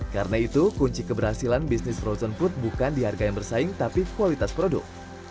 karena itu kunci keberhasilan bisnis frozen food bukan di harga yang bersaing tapi kualitas produk